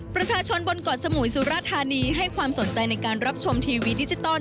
ประชาชนบนเกาะสมุยสุรธานีให้ความสนใจในการรับชมทีวีดิจิตอล